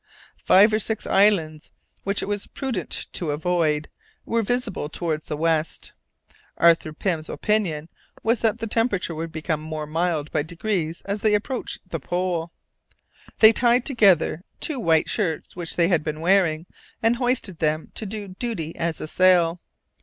Five or six islands, which it was prudent to avoid, were visible towards the west. Arthur Pym's opinion was that the temperature would become more mild by degrees as they approached the pole. They tied together two white shirts which they had been wearing, and hoisted them to do duty as a sail.